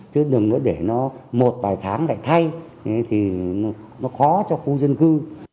chứ đừng cứ để nó một vài tháng lại thay thì nó khó cho khu dân cư